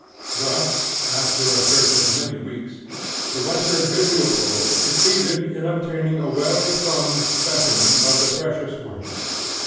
Thus, after a search of many weeks, the Western bibliopole succeeded in obtaining a well thumbed specimen of the precious work.